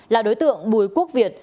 là đối tượng bùi quốc việt